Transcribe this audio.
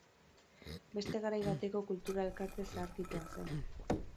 Beste garai bateko Kultura elkarte zaharkitua zen.